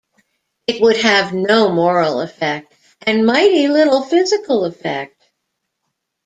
It would have no moral effect and mighty little physical effect.